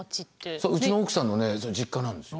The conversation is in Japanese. そううちの奥さんの実家なんですよ。